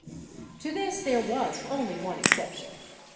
1 |To this there was only one exception.